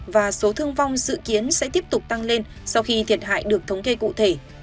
và số thương vong dự kiến sẽ tiếp tục tăng lên sau khi thiệt hại được thống kê cụ thể